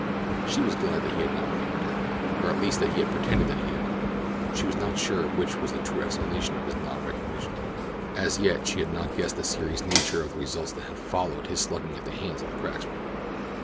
She was glad that he had not remembered her, or at least that he had pretended that he did not. She was not sure which was the true explanation of his non recognition. As yet she had not guessed the serious nature of the results that had followed his slugging at the hands of the cracksmen.